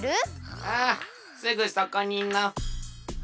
ああすぐそこにの。